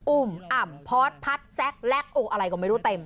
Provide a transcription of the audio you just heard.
ุ่มอ่ำพอสพพัดแซ็กแล็กโออะไรก็ไม่รู้เต็ม